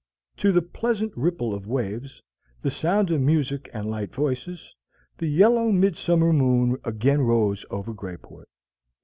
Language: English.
To the pleasant ripple of waves, the sound of music and light voices, the yellow midsummer moon again rose over Greyport.